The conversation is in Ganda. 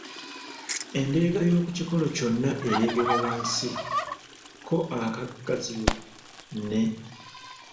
Endeega y’oku kikolo kyonna ereegerwa wansi, ko akagaziyo ne